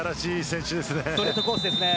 ストレートコースですね。